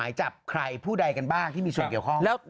อันนี้คือเสียแล้วเนอะ